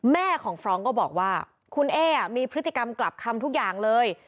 แม่ของฟรองก์ก็บอกว่าคุณเอ๊มีพฤติกรรมกลับคำทุกอย่างเลย